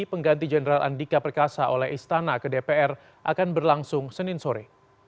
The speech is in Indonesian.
pengganti jenderal andika perkasa oleh istana ke dpr akan berlangsung senin sore